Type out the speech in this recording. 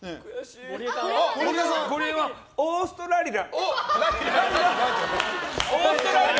オーストラリラ。